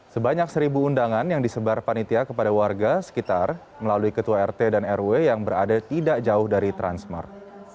sebanyak seribu undangan yang disebar panitia kepada warga sekitar melalui ketua rt dan rw yang berada tidak jauh dari transmart